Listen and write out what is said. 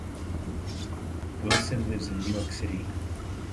Wilson lives in New York City.